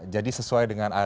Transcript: jadi sesuai dengan agama